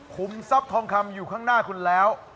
ทรัพย์ทองคำอยู่ข้างหน้าคุณแล้ว